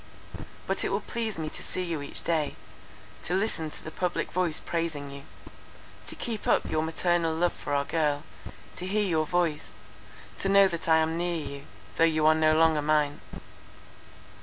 But it will please me to see you each day! to listen to the public voice praising you; to keep up your paternal love for our girl; to hear your voice; to know that I am near you, though you are no longer mine.